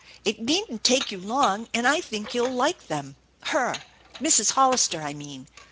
It needn't take you long, and I think you'll like them her Mrs. Hollister, I mean.